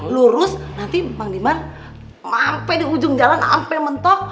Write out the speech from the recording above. lurus nanti mang liman sampe di ujung jalan sampe mentok